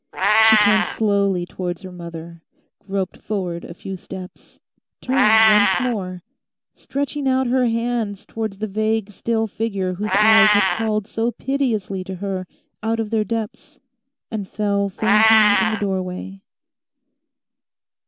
She turned slowly towards her mother, groped forward a few steps, turned once more, stretching out her hands towards the vague still figure whose eyes had called so piteously to her out of their depths, and fell fainting in the doorway.